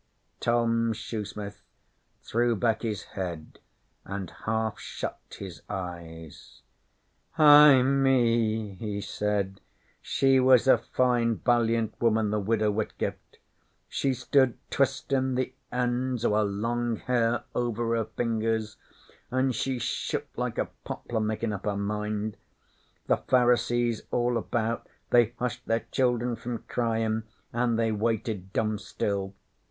"' Tom Shoesmith threw back his head and half shut his eyes. 'Eh, me!' he said. 'She was a fine, valiant woman, the Widow Whitgift. She stood twistin' the eends of her long hair over her fingers, an' she shook like a poplar, makin' up her mind. The Pharisees all about they hushed their children from cryin' an' they waited dumb still.